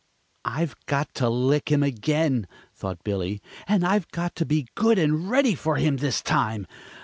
"I've got to lick him again," thought Billy, "and I've got to be good and ready for him this time.